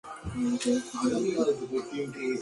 তুমি খুবই অদ্ভুত।